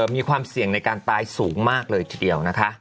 มีความเสี่ยงในการตายสูงมากเลยทีเดียวนะคะ